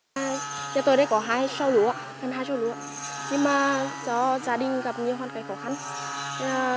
dịch đạo ôn làm giảm năng suất nếu thuê máy gạt đập liên hợp thì giá trị còn lại không đáng là bao